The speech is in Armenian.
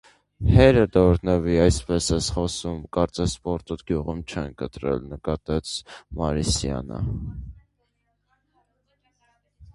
- Հերդ օրհնվի, այնպես ես խոսում, կարծես պորտդ գյուղում չեն կտրել,- նկատեց Մարիսյանը: